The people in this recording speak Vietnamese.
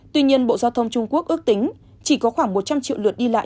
tuy nhiên bộ giao thông trung quốc ước tính chỉ có khoảng một trăm linh triệu lượt đi lại